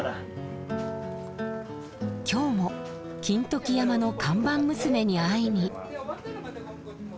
今日も金時山の看板娘に会いに。